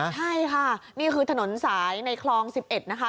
ใช่ค่ะนี่คือถนนสายในคลอง๑๑นะคะ